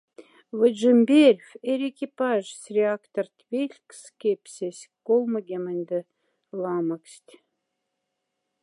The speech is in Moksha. Вдь шиньберьф эрь экипажсь реакторть вельхксс кепсесь колмогемоньда ламоксть.